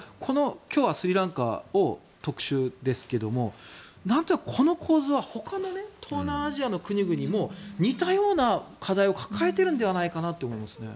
今日はスリランカの特集ですけどなんとなく、この構図はほかの東南アジアの国々も似たような課題を抱えているのではないかと思いますね。